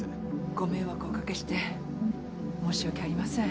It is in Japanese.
ご迷惑をおかけして申し訳ありません。